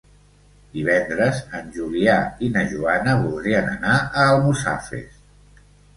Divendres en Julià i na Joana voldrien anar a Almussafes.